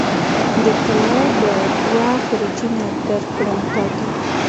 د طلا به دوه خورجینه درکړم تاته